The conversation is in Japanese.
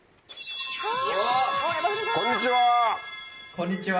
こんにちは！